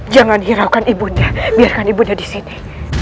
jangan hiraukan ibu nia biarkan ibu nia di sini